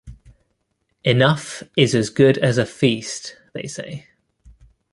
‘Enough is as good as a feast,’ they say.